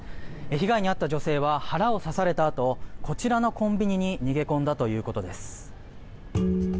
被害に遭った女性は腹を刺されたあとこちらのコンビニに逃げ込んだということです。